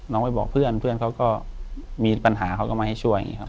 ไปบอกเพื่อนเพื่อนเขาก็มีปัญหาเขาก็มาให้ช่วยอย่างนี้ครับ